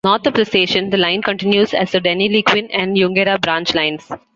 North of the station, the line continues as the Deniliquin and Yungera branch lines.